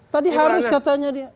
tadi harus katanya dia